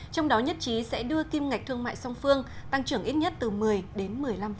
trong đó nhất trí sẽ đưa kim ngạch thương mại song phương tăng trưởng ít nhất từ một mươi đến một mươi năm